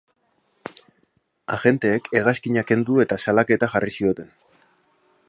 Agenteek hegazkina kendu eta salaketa jarri zioten.